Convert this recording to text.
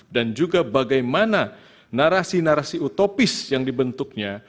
dan juga bagaimana narasi narasi utopis yang dibentuknya